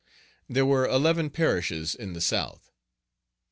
There were eleven parishes in the South.